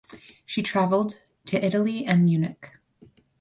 She traveled to Italy and Munich.